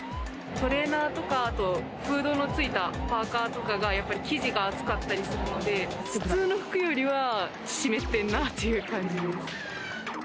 トレーナーとかフードのついたパーカとかが、生地が厚かったりするので普通の服よりは湿ってるなっていう感じです。